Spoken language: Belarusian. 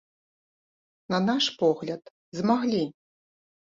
На наш погляд, змаглі!